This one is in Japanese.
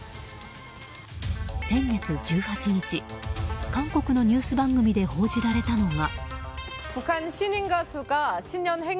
先月１８日、韓国のニュース番組で報じられたのが。